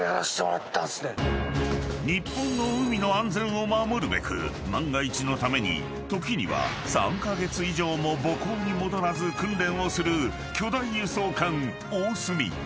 ［日本の海の安全を守るべく万が一のために時には３カ月以上も母港に戻らず訓練をする巨大輸送艦おおすみ］